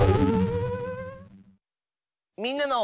「みんなの」。